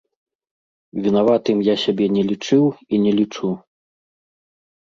Вінаватым я сябе не лічыў і не лічу.